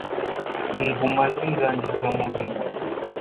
inguma zindangiza umubiri